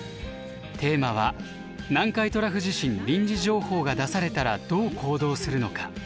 テーマは「南海トラフ地震臨時情報が出されたらどう行動するのか」。